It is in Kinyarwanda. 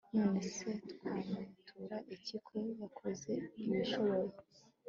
none se twamwitura iki ko yakoze ibishoboye